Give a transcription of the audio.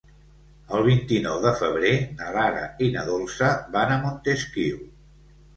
El vint-i-nou de febrer na Lara i na Dolça van a Montesquiu.